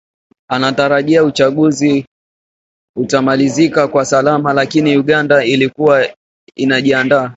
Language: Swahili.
anatarajia uchaguzi utamalizika kwa salama lakini Uganda ilikuwa inajiandaa na